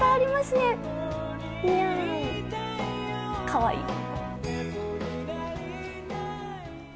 かわいい。